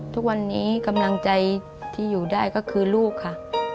ทุกวันนี้กำลังใจที่อยู่ได้ก็คือลูกค่ะ